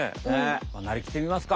まあなりきってみますか。